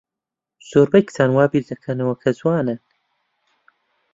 زۆربەی کچان وا بیردەکەنەوە کە جوانن.